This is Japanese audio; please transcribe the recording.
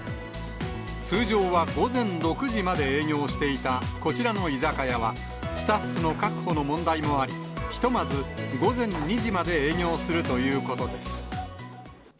通常は午前６時まで営業していたこちらの居酒屋は、スタッフの確保の問題もあり、ひとまず午前２時まで営業するということです。